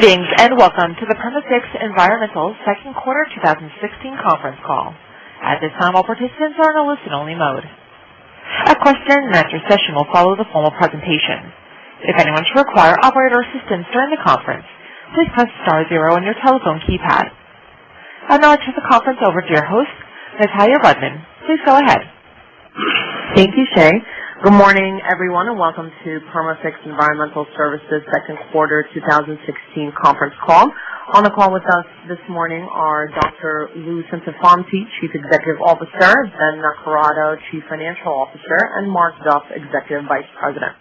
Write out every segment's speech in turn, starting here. Greetings, and welcome to the Perma-Fix Environmental second quarter 2016 conference call. At this time, all participants are in a listen-only mode. A question-and-answer session will follow the formal presentation. If anyone should require operator assistance during the conference, please press star zero on your telephone keypad. I'd now like to turn the conference over to your host, Natalya Rudman. Please go ahead. Thank you, Shay. Good morning, everyone, and welcome to Perma-Fix Environmental Services second quarter 2016 conference call. On the call with us this morning are Dr. Lou Centofanti, Chief Executive Officer, Ben Naccarato, Chief Financial Officer, and Mark Duff, Executive Vice President.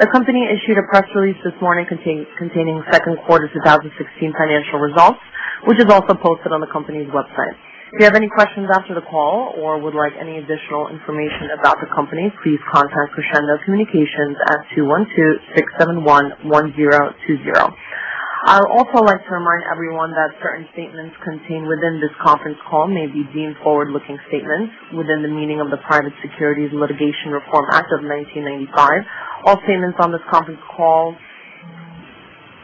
The company issued a press release this morning containing second quarter 2016 financial results, which is also posted on the company's website. If you have any questions after the call or would like any additional information about the company, please contact Crescendo Communications at 212-671-1020. I would also like to remind everyone that certain statements contained within this conference call may be deemed forward-looking statements within the meaning of the Private Securities Litigation Reform Act of 1995. All statements on this conference call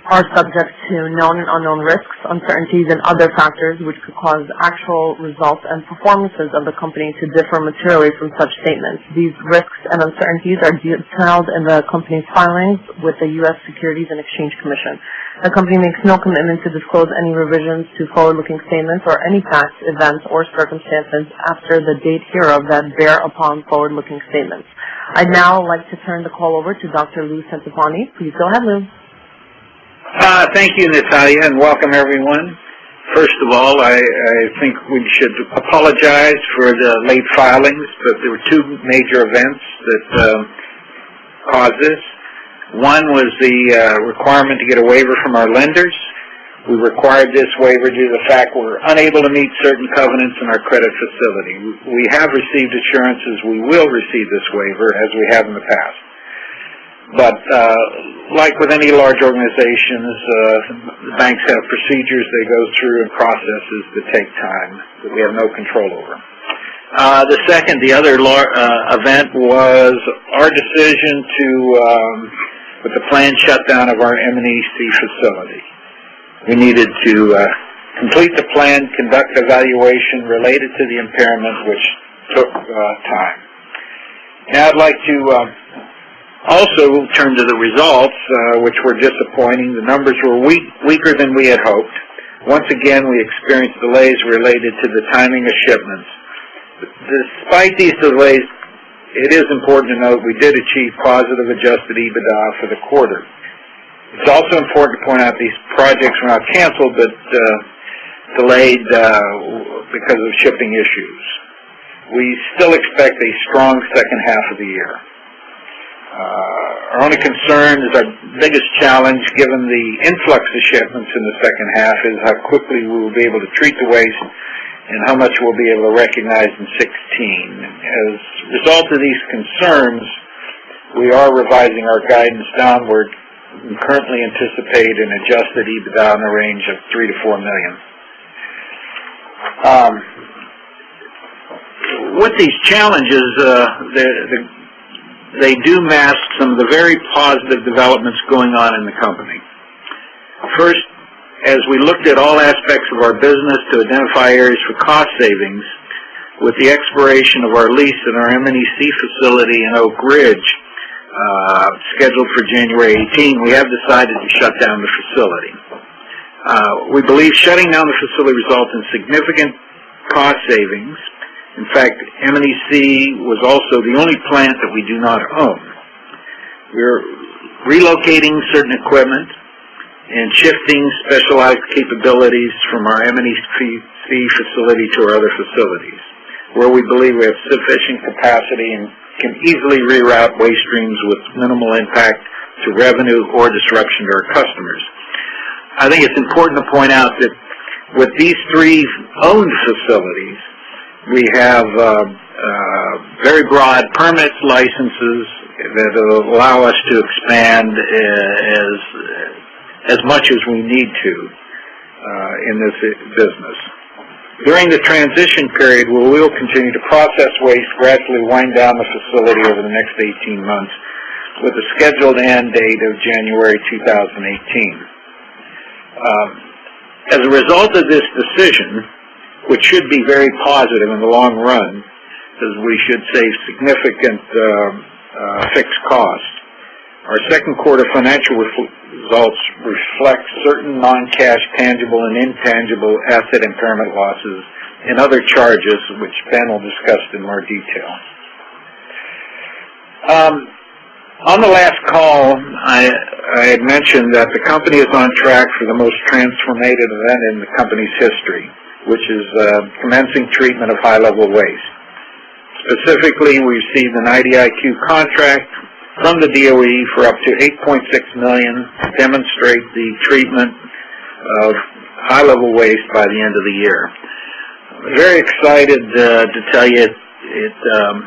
are subject to known and unknown risks, uncertainties and other factors, which could cause actual results and performances of the company to differ materially from such statements. These risks and uncertainties are detailed in the company's filings with the US Securities and Exchange Commission. The company makes no commitment to disclose any revisions to forward-looking statements or any facts, events or circumstances after the date hereof that bear upon forward-looking statements. I'd now like to turn the call over to Dr. Lou Centofanti. Please go ahead, Lou. Thank you, Natalya. Welcome everyone. First of all, I think we should apologize for the late filings. There were two major events that caused this. One was the requirement to get a waiver from our lenders. We required this waiver due to the fact we were unable to meet certain covenants in our credit facility. We have received assurances we will receive this waiver as we have in the past. Like with any large organizations, banks have procedures they go through and processes that take time that we have no control over. The second, the other event was our decision with the planned shutdown of our M&EC facility. We needed to complete the plan, conduct evaluation related to the impairment, which took time. I'd like to also turn to the results, which were disappointing. The numbers were weaker than we had hoped. Once again, we experienced delays related to the timing of shipments. Despite these delays, it is important to note we did achieve positive adjusted EBITDA for the quarter. It's also important to point out these projects were not canceled, but delayed because of shipping issues. We still expect a strong second half of the year. Our only concern is our biggest challenge, given the influx of shipments in the second half, is how quickly we will be able to treat the waste and how much we'll be able to recognize in 2016. As a result of these concerns, we are revising our guidance downward. We currently anticipate an adjusted EBITDA in the range of $3 million to $4 million. With these challenges, they do mask some of the very positive developments going on in the company. First, as we looked at all aspects of our business to identify areas for cost savings, with the expiration of our lease in our M&EC facility in Oak Ridge, scheduled for January 2018, we have decided to shut down the facility. We believe shutting down the facility results in significant cost savings. In fact, M&EC was also the only plant that we do not own. We're relocating certain equipment and shifting specialized capabilities from our M&EC facility to our other facilities, where we believe we have sufficient capacity and can easily reroute waste streams with minimal impact to revenue or disruption to our customers. I think it's important to point out that with these three owned facilities, we have very broad permit licenses that allow us to expand as much as we need to in this business. During the transition period, we will continue to process waste, gradually wind down the facility over the next 18 months with a scheduled end date of January 2018. As a result of this decision, which should be very positive in the long run because we should save significant fixed costs, our second quarter financial results reflect certain non-cash tangible and intangible asset impairment losses and other charges which Ben will discuss in more detail. On the last call, I had mentioned that the company is on track for the most transformative event in the company's history, which is commencing treatment of high-level waste. Specifically, we received an IDIQ contract from the DOE for up to $8.6 million to demonstrate the treatment of high-level waste by the end of the year. Very excited to tell you it's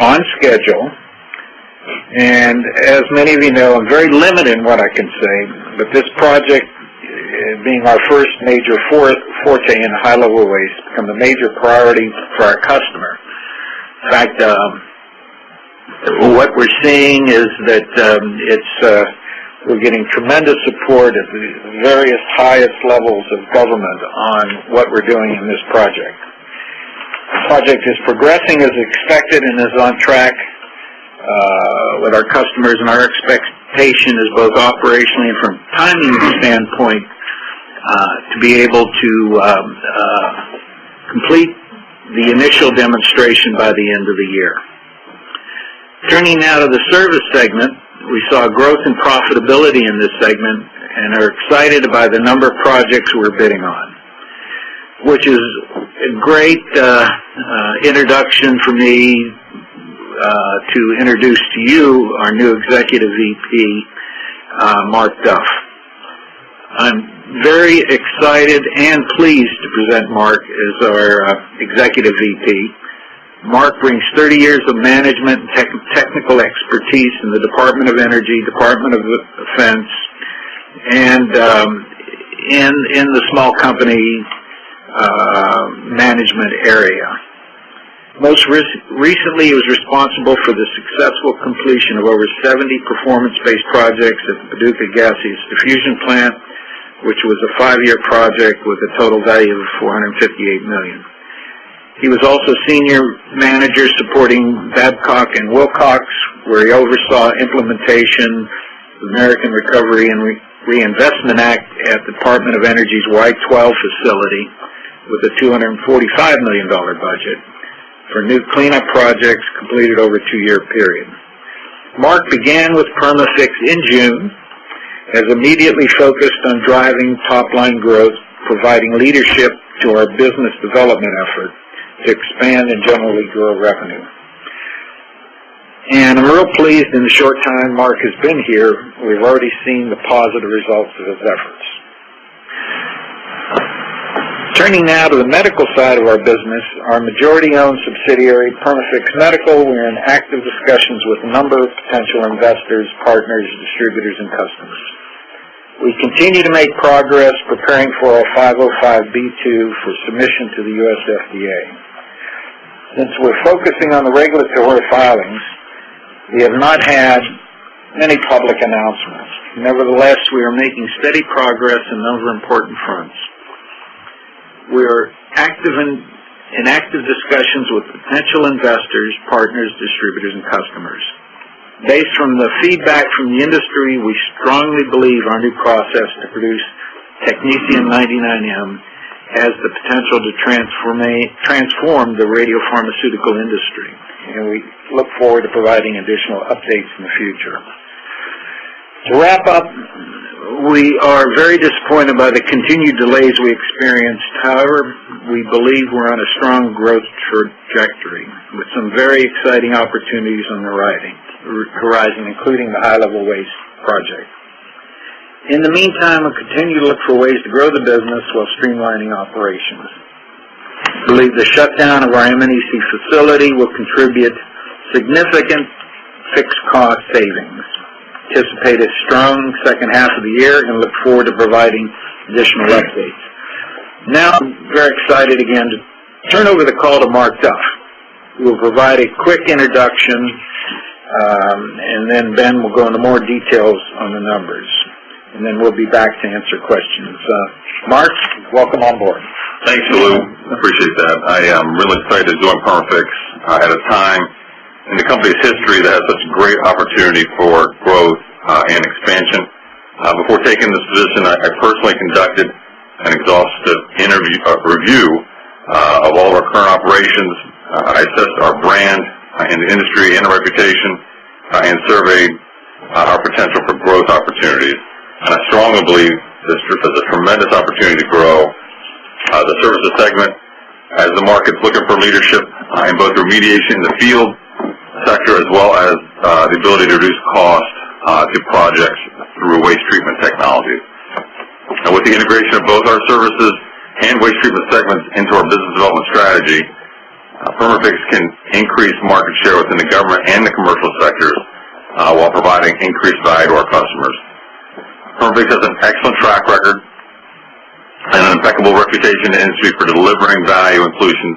on schedule, and as many of you know, I'm very limited in what I can say, but this project, being our first major foray in high-level waste, become the major priority for our customers In fact, what we're seeing is that we're getting tremendous support at the various highest levels of government on what we're doing in this project. The project is progressing as expected and is on track with our customers, and our expectation is both operationally and from a timing standpoint, to be able to complete the initial demonstration by the end of the year. Turning now to the service segment, we saw growth and profitability in this segment and are excited by the number of projects we're bidding on, which is a great introduction for me to introduce to you our new Executive VP, Mark Duff. I'm very excited and pleased to present Mark as our Executive VP. Mark brings 30 years of management and technical expertise in the Department of Energy, Department of Defense, and in the small company management area. Most recently, he was responsible for the successful completion of over 70 performance-based projects at the Paducah Gaseous Diffusion Plant, which was a five-year project with a total value of $458 million. He was also senior manager supporting Babcock & Wilcox, where he oversaw implementation of the American Recovery and Reinvestment Act at Department of Energy's Y-12 facility with a $245 million budget for new cleanup projects completed over a two-year period. Mark began with Perma-Fix in June, has immediately focused on driving top-line growth, providing leadership to our business development effort to expand and generally grow revenue. I'm real pleased in the short time Mark has been here, we've already seen the positive results of his efforts. Turning now to the medical side of our business, our majority-owned subsidiary, Perma-Fix Medical. We're in active discussions with a number of potential investors, partners, distributors, and customers. We continue to make progress preparing for our 505 [2] for submission to the US FDA. Since we're focusing on the regulatory filings, we have not had any public announcements. Nevertheless, we are making steady progress on those important fronts. We are in active discussions with potential investors, partners, distributors, and customers. Based on the feedback from the industry, we strongly believe our new process to produce technetium-99m has the potential to transform the radiopharmaceutical industry, and we look forward to providing additional updates in the future. To wrap up, we are very disappointed by the continued delays we experienced. We believe we're on a strong growth trajectory with some very exciting opportunities on the horizon, including the high-level waste project. In the meantime, we'll continue to look for ways to grow the business while streamlining operations. We believe the shutdown of our M&EC facility will contribute significant fixed cost savings. Anticipate a strong second half of the year and look forward to providing additional updates. I'm very excited again to turn over the call to Mark Duff, who will provide a quick introduction, and then Ben will go into more details on the numbers, and then we'll be back to answer questions. Mark, welcome on board. Thanks, Lou. I appreciate that. I am really excited to join Perma-Fix at a time in the company's history that has such great opportunity for growth and expansion. Before taking this position, I personally conducted an exhaustive review of all of our current operations. I assessed our brand in the industry and our reputation and surveyed our potential for growth opportunities. I strongly believe this is a tremendous opportunity to grow the services segment as the market's looking for leadership in both remediation in the field sector as well as the ability to reduce costs to projects through waste treatment technology. With the integration of both our services and waste treatment segments into our business development strategy, Perma-Fix can increase market share within the government and the commercial sectors while providing increased value to our customers. Perma-Fix has an excellent track record and an impeccable reputation in the industry for delivering value and solutions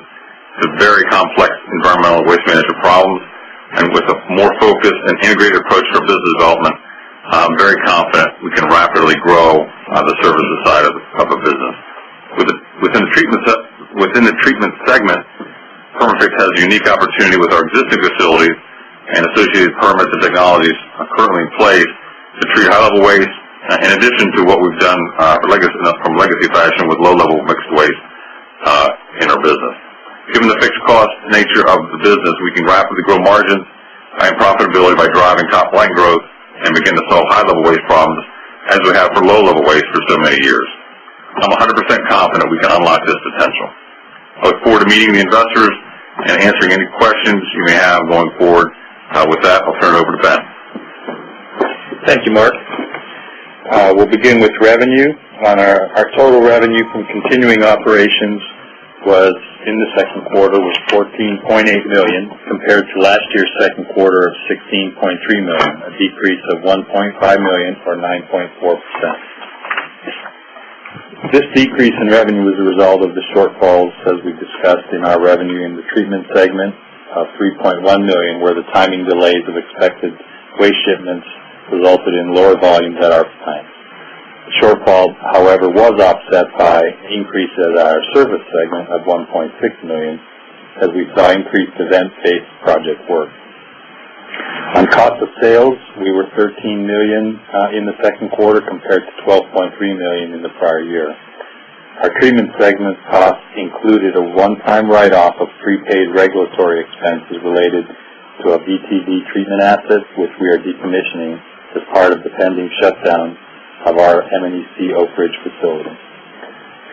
to very complex environmental waste management problems. With a more focused and integrated approach to our business development, I'm very confident we can rapidly grow the services side of the business. Within the treatment segment, Perma-Fix has a unique opportunity with our existing facilities and associated permits and technologies currently in place to treat high-level waste in addition to what we've done from a legacy fashion with low-level mixed waste in our business. Given the fixed cost nature of the business, we can rapidly grow margins and profitability by driving top-line growth and begin to solve high-level waste problems as we have for low-level waste for so many years. I'm 100% confident we can unlock this potential. I look forward to meeting the investors and answering any questions you may have going forward. With that, I'll turn it over to Ben. Thank you, Mark. We'll begin with revenue. Our total revenue from continuing operations in the second quarter was $14.8 million, compared to last year's second quarter of $16.3 million, a decrease of $1.5 million or 9.4%. This decrease in revenue is a result of the shortfalls as we discussed in our revenue in the treatment segment of $3.1 million, where the timing delays of expected waste shipments resulted in lower volumes at our plant. The shortfall, however, was offset by increases in our service segment of $1.6 million, as we saw increased event-based project work. On cost of sales, we were $13 million in the second quarter compared to $12.3 million in the prior year. Our treatment segment costs included a one-time write-off of prepaid regulatory expenses related to a BTV treatment asset, which we are decommissioning as part of the pending shutdown of our M&EC Oak Ridge facility.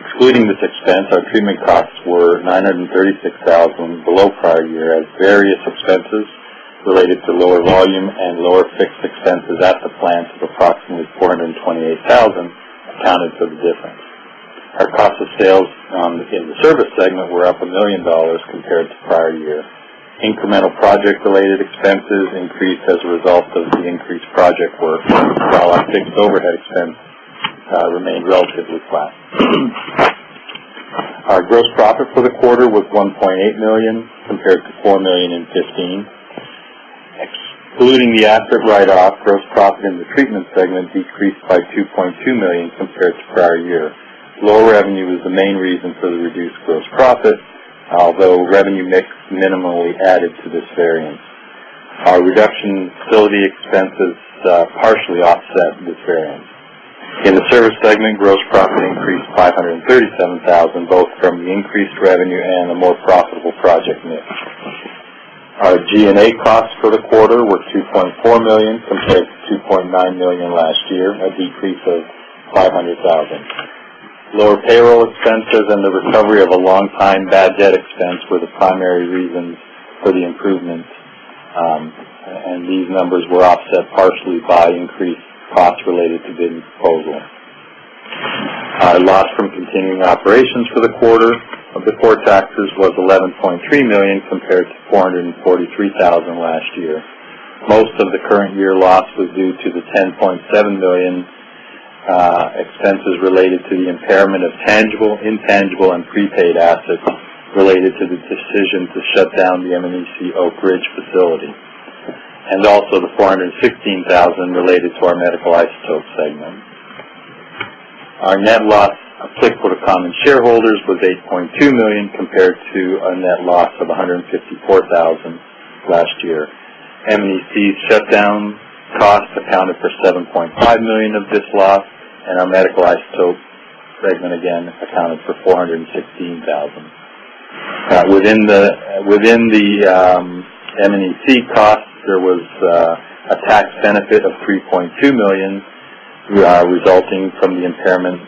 Excluding this expense, our treatment costs were $936,000 below prior year as various expenses related to lower volume and lower fixed expenses at the plant of approximately $428,000 accounted for the difference. Our cost of sales in the service segment were up $1 million compared to prior year. Incremental project-related expenses increased as a result of the increased project work, while our fixed overhead expense remained relatively flat. Our gross profit for the quarter was $1.8 million, compared to $4 million in 2015. Excluding the asset write-off, gross profit in the treatment segment decreased by $2.2 million compared to prior year. Lower revenue is the main reason for the reduced gross profit, although revenue mix minimally added to this variance. Our reduction in facility expenses partially offset this variance. In the service segment, gross profit increased $537,000, both from the increased revenue and a more profitable project mix. Our G&A costs for the quarter were $2.4 million compared to $2.9 million last year, a decrease of $500,000. Lower payroll expenses and the recovery of a long-time bad debt expense were the primary reasons for the improvement. These numbers were offset partially by increased costs related to bidding proposal. Our loss from continuing operations for the quarter before taxes was $11.3 million compared to $443,000 last year. Most of the current year loss was due to the $10.7 million expenses related to the impairment of tangible, intangible, and prepaid assets related to the decision to shut down the M&EC Oak Ridge facility, and also the $416,000 related to our medical isotope segment. Our net loss applicable to common shareholders was $8.2 million compared to a net loss of $154,000 last year. M&EC shutdown costs accounted for $7.5 million of this loss, and our medical isotope segment again accounted for $416,000. Within the M&EC costs, there was a tax benefit of $3.2 million resulting from the impairment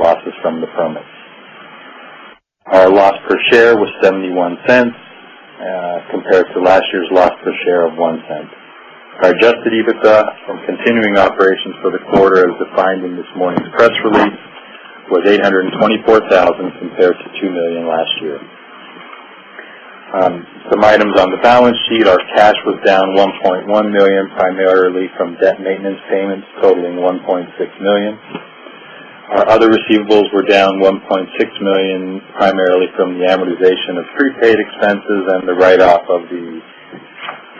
losses from the permits. Our loss per share was $0.71, compared to last year's loss per share of $0.01. Our adjusted EBITDA from continuing operations for the quarter, as defined in this morning's press release, was $824,000 compared to $2 million last year. Some items on the balance sheet. Our cash was down $1.1 million, primarily from debt maintenance payments totaling $1.6 million. Our other receivables were down $1.6 million, primarily from the amortization of prepaid expenses and the write-off of the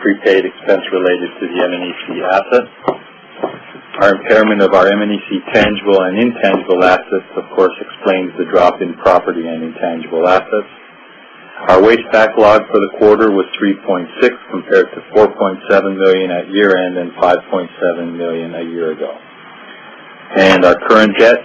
prepaid expense related to the M&EC asset. Our impairment of our M&EC tangible and intangible assets, of course, explains the drop in property and intangible assets. Our waste backlog for the quarter was $3.6 million compared to $4.7 million at year-end and $5.7 million a year ago. Our current debt,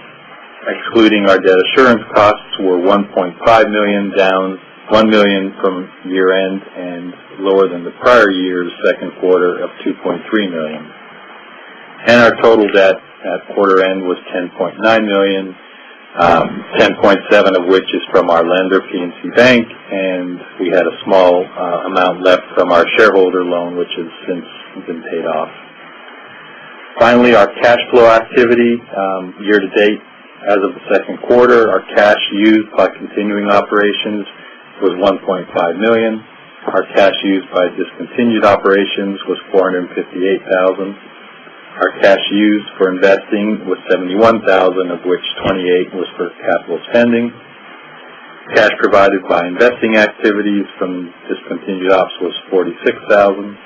excluding our debt assurance costs, were $1.5 million, down $1 million from year-end and lower than the prior year's second quarter of $2.3 million. Our total debt at quarter end was $10.9 million, $10.7 million of which is from our lender, PNC Bank, and we had a small amount left from our shareholder loan, which has since been paid off. Finally, our cash flow activity year to date as of the second quarter, our cash used by continuing operations was $1.5 million. Our cash used by discontinued operations was $458,000. Our cash used for investing was $71,000, of which $28,000 was for capital spending. Cash provided by investing activities from discontinued ops was $46,000.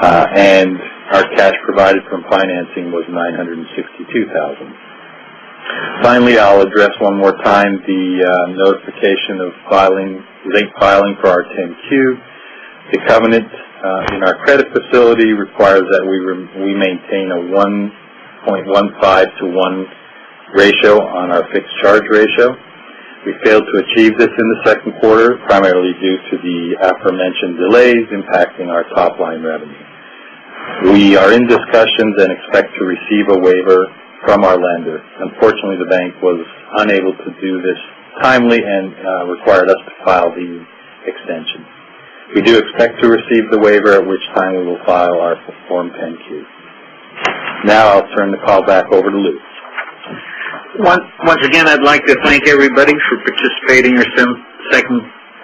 Our cash provided from financing was $962,000. Finally, I'll address one more time the notification of late filing for our 10-Q. The covenant in our credit facility requires that we maintain a 1.15 to 1 ratio on our fixed charge ratio. We failed to achieve this in the second quarter, primarily due to the aforementioned delays impacting our top-line revenue. We are in discussions and expect to receive a waiver from our lender. Unfortunately, the bank was unable to do this timely and required us to file the extension. We do expect to receive the waiver, at which time we will file our Form 10-Q. I'll turn the call back over to Lou. Once again, I'd like to thank everybody for participating or Second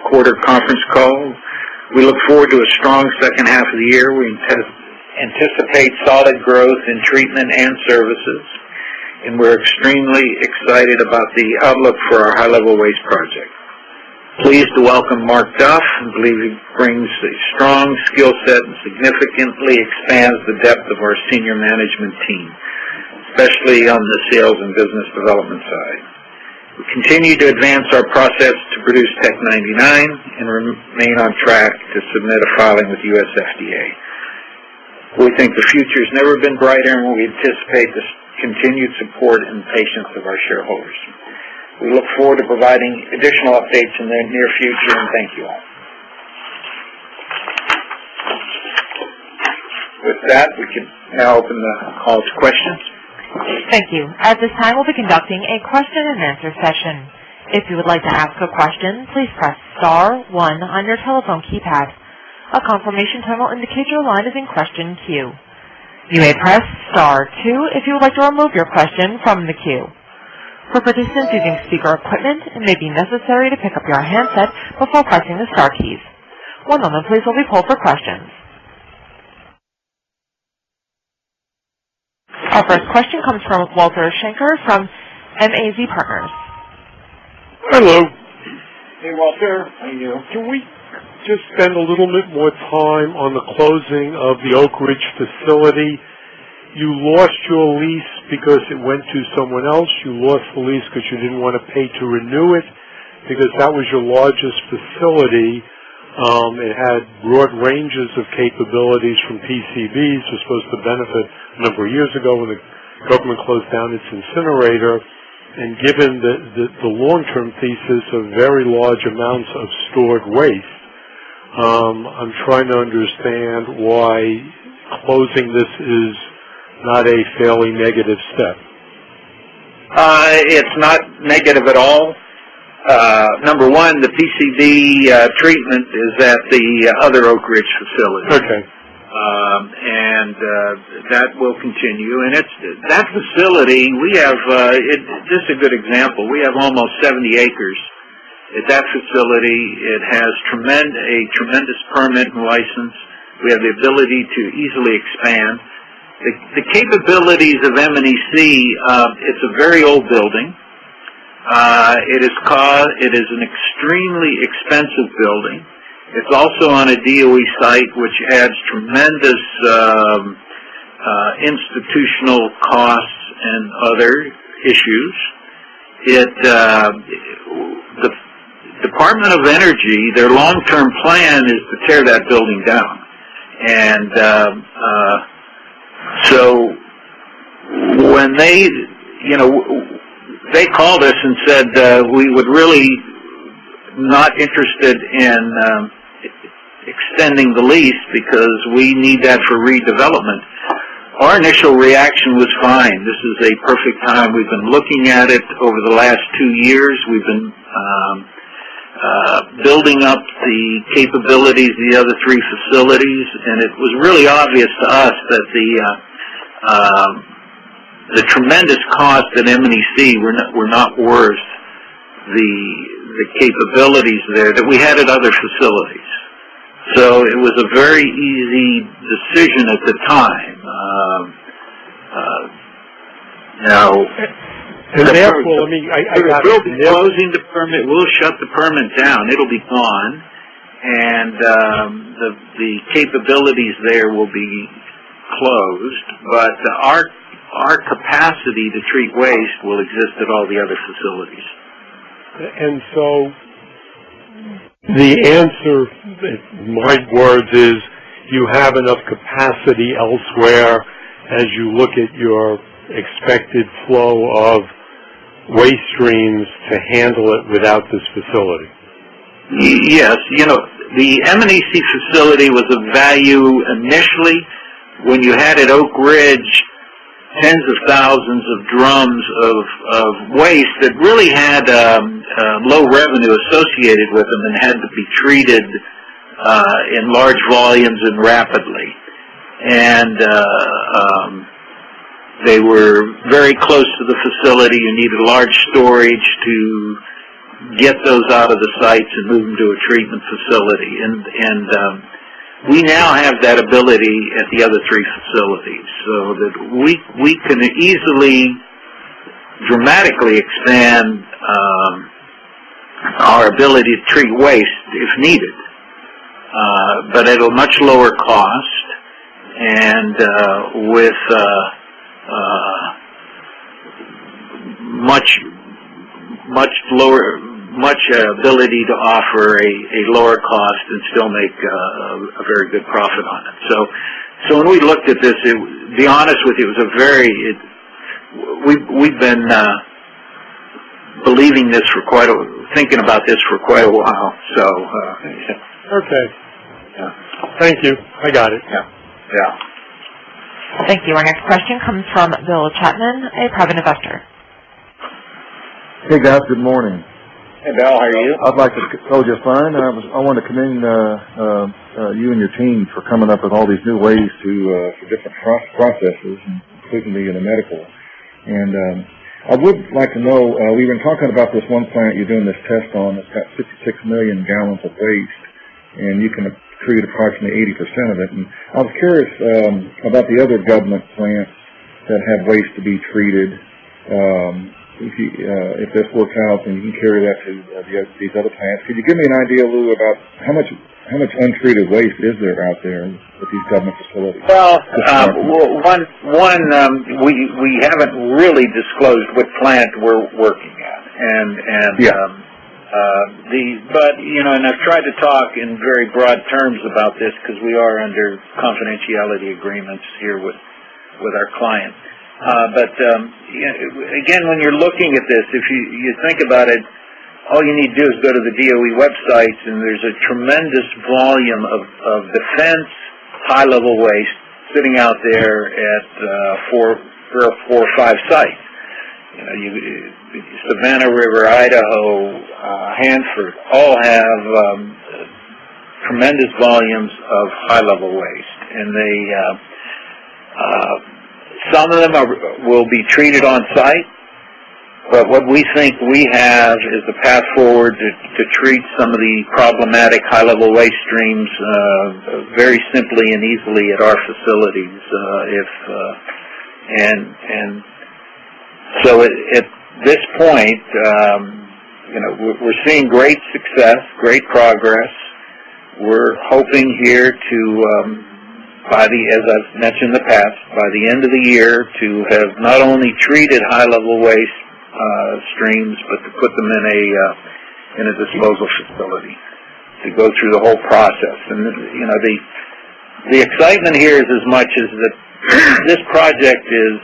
quarter conference call. We look forward to a strong second half of the year. We anticipate solid growth in treatment and services, and we're extremely excited about the outlook for our high-level waste project. Pleased to welcome Mark Duff, who I believe brings a strong skill set and significantly expands the depth of our senior management team, especially on the sales and business development side. We continue to advance our process to produce Tc-99 and remain on track to submit a filing with US FDA. We think the future's never been brighter, and we anticipate the continued support and patience of our shareholders. We look forward to providing additional updates in the near future, and thank you all. With that, we can now open the call to questions. Thank you. At this time, we'll be conducting a question and answer session. If you would like to ask a question, please press star one on your telephone keypad. A confirmation tone will indicate your line is in question queue. You may press star two if you would like to remove your question from the queue. For participants using speaker equipment, it may be necessary to pick up your handset before pressing the star keys. One moment please while we pull for questions. Our first question comes from Walter Schenker from MAZ Partners. Hello. Hey, Walter. How are you? Can we just spend a little bit more time on the closing of the Oak Ridge facility? You lost your lease because it went to someone else. You lost the lease because you didn't want to pay to renew it, because that was your largest facility. It had broad ranges of capabilities from PCBs, which was the benefit a number of years ago when the government closed down its incinerator. Given that the long-term pieces of very large amounts of stored waste, I'm trying to understand why closing this is not a fairly negative step. It's not negative at all. Number one, the PCB treatment is at the other Oak Ridge facility. Okay. That will continue. That facility, this is a good example. We have almost 70 acres at that facility. It has a tremendous permit and license. We have the ability to easily expand. The capabilities of M&EC, it's a very old building. It is an extremely expensive building. It's also on a DOE site, which adds tremendous institutional costs and other issues. The Department of Energy, their long-term plan is to tear that building down. When they called us and said, "We would really not interested in extending the lease because we need that for redevelopment," our initial reaction was, fine. This is a perfect time. We've been looking at it over the last two years. We've been building up the capabilities of the other three facilities, and it was really obvious to us that the tremendous cost at M&EC were not worth the capabilities there that we had at other facilities. It was a very easy decision at the time. And therefore- We'll shut the permit down. It'll be gone, and the capabilities there will be closed, but our capacity to treat waste will exist at all the other facilities. The answer, in my words, is you have enough capacity elsewhere as you look at your expected flow of waste streams to handle it without this facility. Yes. The M&EC facility was of value initially when you had at Oak Ridge tens of thousands of drums of waste that really had low revenue associated with them and had to be treated in large volumes and rapidly. They were very close to the facility and needed large storage to get those out of the sites and move them to a treatment facility. We now have that ability at the other three facilities, so that we can easily dramatically expand our ability to treat waste if needed. At a much lower cost and with much ability to offer a lower cost and still make a very good profit on it. When we looked at this, to be honest with you, we've been thinking about this for quite a while. Okay. Yeah. Thank you. I got it. Yeah. Thank you. Our next question comes from Bill Chapman, a private investor. Hey, guys. Good morning. Hey, Bill. How are you? Oh, just fine. I want to commend you and your team for coming up with all these new ways to different processes, including the medical one. I would like to know, we've been talking about this one plant you're doing this test on that's got 66 million gallons of waste, and you can treat approximately 80% of it. I was curious about the other government plants that have waste to be treated. If this works out, you can carry that to these other plants. Could you give me an idea, Lou, about how much untreated waste is there out there at these government facilities? Well, one, we haven't really disclosed what plant we're working at. Yeah. I've tried to talk in very broad terms about this because we are under confidentiality agreements here with our client. When you're looking at this, if you think about it, all you need to do is go to the DOE websites and there's a tremendous volume of Defense high-level waste sitting out there at four or five sites. Savannah River, Idaho, Hanford all have tremendous volumes of high-level waste. Some of them will be treated on site. What we think we have is a path forward to treat some of the problematic high-level waste streams very simply and easily at our facilities. At this point, we're seeing great success, great progress. We're hoping here to, as I've mentioned in the past, by the end of the year to have not only treated high-level waste streams, but to put them in a disposal facility, to go through the whole process. The excitement here is as much as that this project is.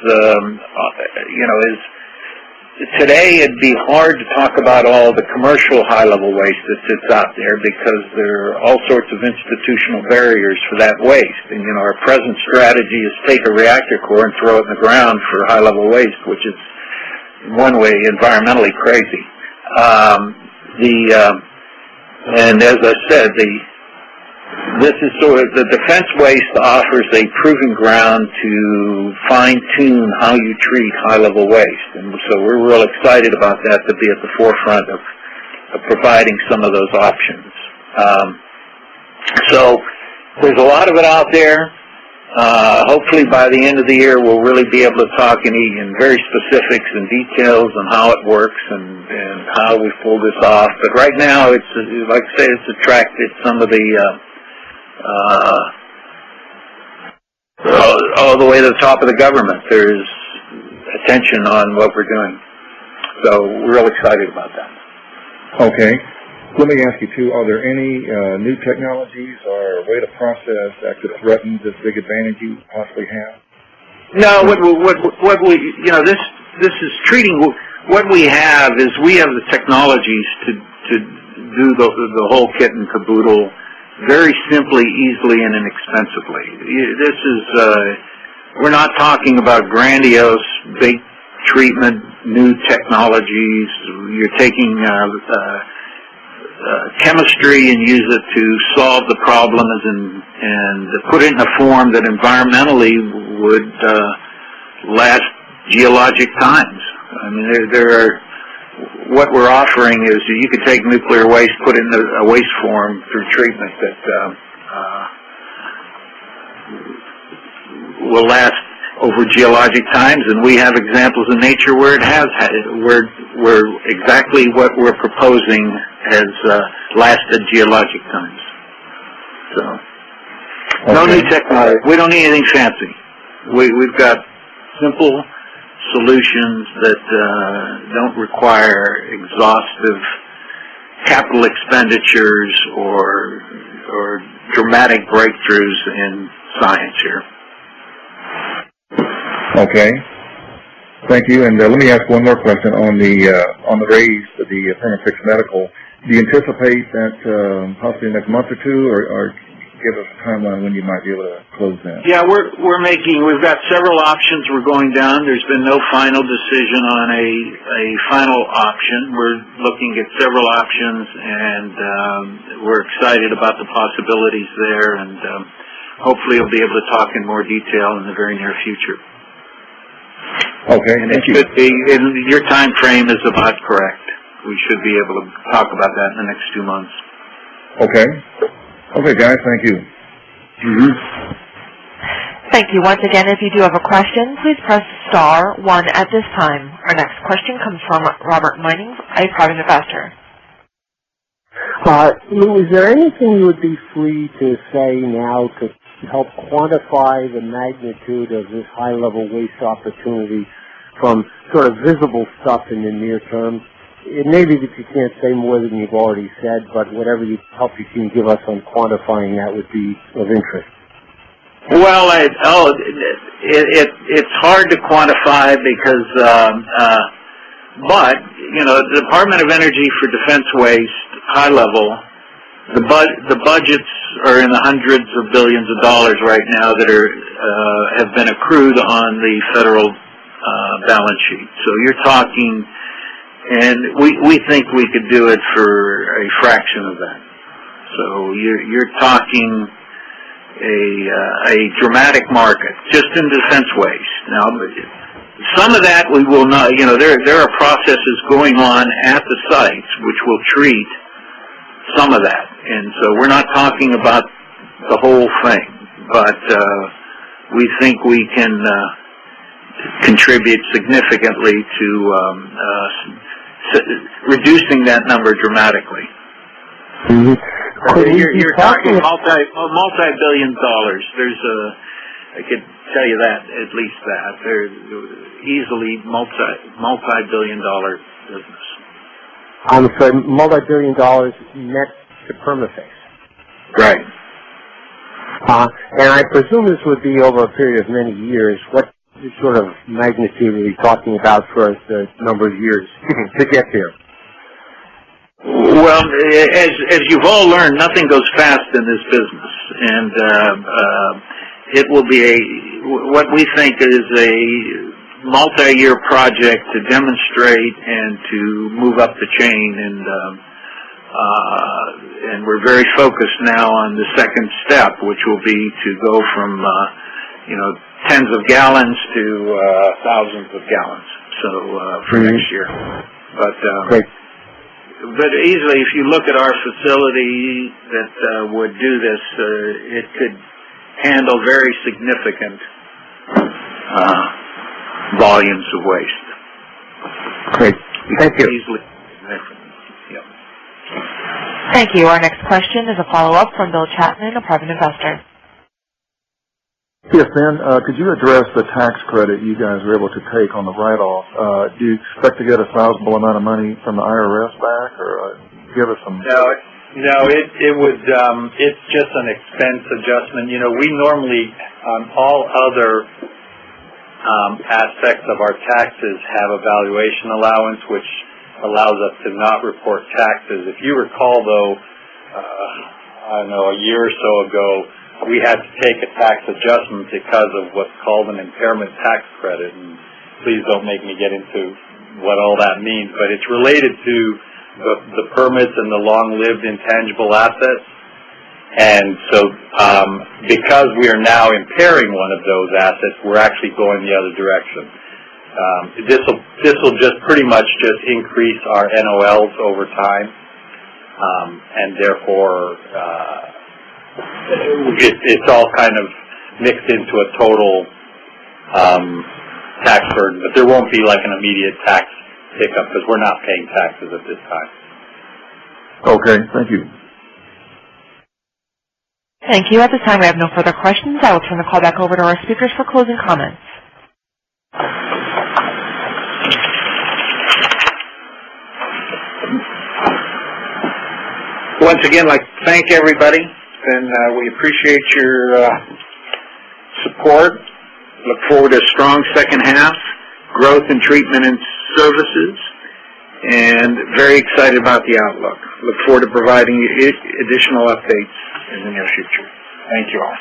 Today, it'd be hard to talk about all the commercial high-level waste that sits out there because there are all sorts of institutional barriers for that waste. Our present strategy is take a reactor core and throw it in the ground for high-level waste, which is, one way, environmentally crazy. As I said, the Defense waste offers a proven ground to fine-tune how you treat high-level waste. We're real excited about that, to be at the forefront of providing some of those options. There's a lot of it out there. Hopefully, by the end of the year, we'll really be able to talk in very specifics and details on how it works and how we pull this off. Right now, like I say, it's attracted All the way to the top of the Government, there's attention on what we're doing. We're real excited about that. Okay. Let me ask you, too, are there any new technologies or way to process that could threaten this big advantage you possibly have? No. What we have is we have the technologies to do the whole kit and caboodle very simply, easily, and inexpensively. We're not talking about grandiose, big treatment, new technologies. You're taking chemistry and use it to solve the problems and to put it in a form that environmentally would last geologic times. What we're offering is that you could take nuclear waste, put it in a waste form through treatment that will last over geologic times, and we have examples in nature where exactly what we're proposing has lasted geologic times. Okay. We don't need anything fancy. We've got simple solutions that don't require exhaustive capital expenditures or dramatic breakthroughs in science here. Okay. Thank you. Let me ask one more question on the raise of the Perma-Fix Medical. Do you anticipate that possibly in the next month or two, or give us a timeline when you might be able to close that? Yeah. We've got several options we're going down. There's been no final decision on a final option. We're looking at several options. We're excited about the possibilities there. Hopefully, we'll be able to talk in more detail in the very near future. Okay. Thank you. Your time frame is about correct. We should be able to talk about that in the next two months. Okay. Okay, guys, thank you. Thank you. Once again, if you do have a question, please press star one at this time. Our next question comes from Robert Mining, Private Investor. Lou, is there anything you would be free to say now to help quantify the magnitude of this high-level waste opportunity from sort of visible stuff in the near term? It may be that you can't say more than you've already said, whatever help you can give us on quantifying that would be of interest. Well, it's hard to quantify, the Department of Energy for Defense waste, high level, the budgets are in the hundreds of billions of dollars right now that have been accrued on the federal balance sheet. We think we could do it for a fraction of that. You're talking A dramatic market just in defense waste. There are processes going on at the sites which will treat some of that. We're not talking about the whole thing, but we think we can contribute significantly to reducing that number dramatically. You're talking $ multi-billion. I could tell you at least that. Easily $ multi-billion business. I'm sorry, $ multi-billion net to Perma-Fix? Right. I presume this would be over a period of many years. What sort of magnitude are we talking about for a number of years to get there? As you've all learned, nothing goes fast in this business, it will be what we think is a multi-year project to demonstrate and to move up the chain, we're very focused now on the second step, which will be to go from tens of gallons to thousands of gallons. For next year. Great. Easily, if you look at our facility that would do this, it could handle very significant volumes of waste. Great. Thank you. Easily. Yes. Thank you. Our next question is a follow-up from Bill Chapman of Private Investor. Yes, Ben, could you address the tax credit you guys were able to take on the write-off? Do you expect to get a sizable amount of money from the IRS back, or give us some. No, it's just an expense adjustment. We normally, all other aspects of our taxes have a valuation allowance, which allows us to not report taxes. If you recall, though, I don't know, a year or so ago, we had to take a tax adjustment because of what's called an impairment tax credit, and please don't make me get into what all that means. It's related to the permits and the long-lived intangible assets. Because we are now impairing one of those assets, we're actually going the other direction. This will pretty much just increase our NOLs over time, therefore, it's all kind of mixed into a total tax burden, but there won't be an immediate tax pickup because we're not paying taxes at this time. Okay. Thank you. Thank you. At this time, we have no further questions. I will turn the call back over to our speakers for closing comments. Once again, I'd like to thank everybody, and we appreciate your support. Look forward to strong second-half growth in treatment and services, and very excited about the outlook. Look forward to providing additional updates in the near future. Thank you all.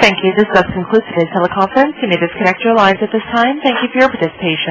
Thank you. This does conclude today's teleconference. You may disconnect your lines at this time. Thank you for your participation.